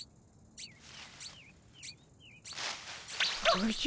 おじゃ？